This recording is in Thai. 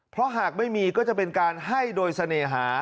เพราะหากไม่มีก็จะเป็นการให้โดยเสน่หา